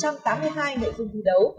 bốn trăm tám mươi hai nội dung thi đấu